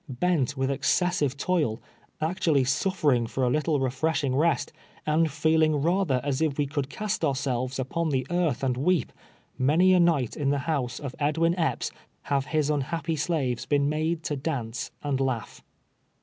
I>ent with excessive toil — actually suffering for a little refreshing rest, and feeling rather as if we could cast ourselves u])on the earth and weep, many a night in the house of Edwin Epps have his unhappy slaves been made to dance and laugh.